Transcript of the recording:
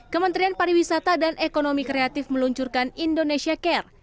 kementerian pariwisata dan ekonomi kreatif meluncurkan indonesia care